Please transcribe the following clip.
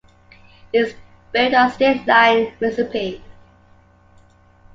He is buried at State Line, Mississippi.